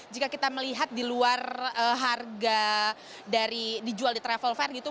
jika kita melihat di luar harga dari dijual di travel fair gitu